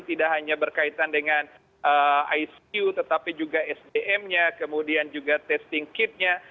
tidak hanya berkaitan dengan icu tetapi juga sdm nya kemudian juga testing kitnya